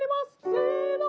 せの。